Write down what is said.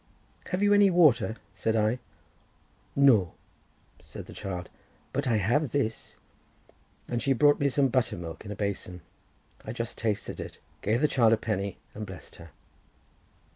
"Have you any water?" said I. "No," said the child; "but I have this," and she brought me some butter milk in a basin. I just tasted it, gave the child a penny and blessed her.